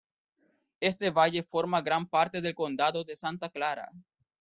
Este valle forma gran parte del Condado de Santa Clara.